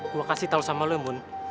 gue kasih tau sama lo ya mun